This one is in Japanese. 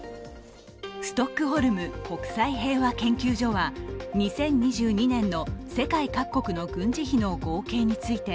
ストックホルム国際平和研究所は２０２２年の世界各国の軍事費の合計について